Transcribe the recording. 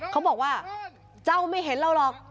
เขาบอกว่าเจ้าไม่เห็นเราหรอก